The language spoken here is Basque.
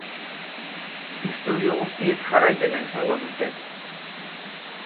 Istorio guztiek jarraipena izango dute.